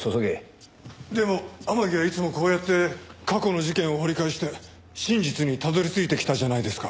でも天樹はいつもこうやって過去の事件を掘り返して真実にたどり着いてきたじゃないですか。